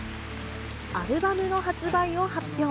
アルバムの発売を発表。